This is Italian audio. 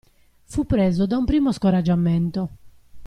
Fu preso da un primo scoraggiamento.